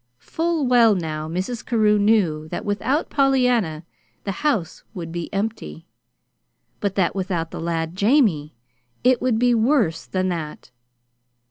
Full well now Mrs. Carew knew that without Pollyanna the house would be empty; but that without the lad, Jamie, it would be worse than that.